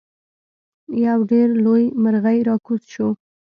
یو ډیر لوی مرغۍ راکوز شو.